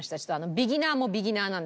ビギナーもビギナーなんで。